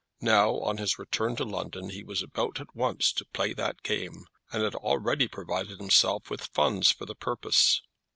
Now, on his return to London, he was about at once to play that game, and had already provided himself with funds for the purpose.